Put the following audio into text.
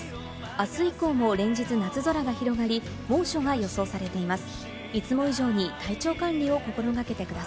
あす以降も連日夏空が広がり、猛暑が予想されています。